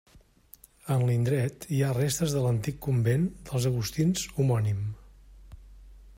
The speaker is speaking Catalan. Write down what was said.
En l'indret hi ha restes de l'antic convent dels agustins homònim.